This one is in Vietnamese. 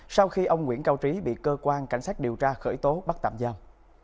sau khi ông nguyễn cao trí bị cơ quan cảnh sát điều tra khởi tố bắt tạm giam